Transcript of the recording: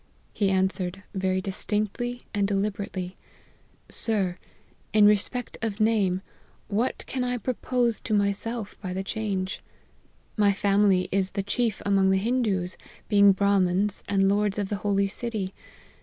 He answered, very distinctly and deliberately, ' Sir, in respect of name, what can I propose to myself by the change ? My fami ly is the chief among the Hindoos, being Brahmins, and lords of the holy city.